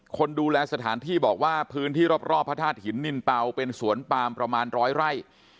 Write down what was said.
คนดูแลสถานที่บอกว่าพื้นที่รอบพระธาตุหินนินเป่าเป็นสวนปามประมาณร้อยไร่